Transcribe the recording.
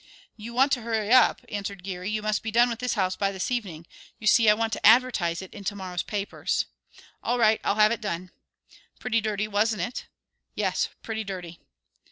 "You want to hurry up," answered Geary. "You must be done with this house by this evening. You see, I want to advertise it in to morrow's papers." "All right; I'll have it done." "Pretty dirty, wasn't it?" "Yes, pretty dirty."